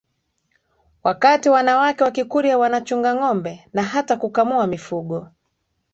wakati wanawake wa Kikurya wanachunga ngombe na hata kukamua mifugo